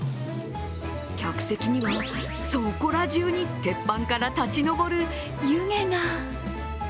客席には、そこら中に鉄板から立ち上る湯気が。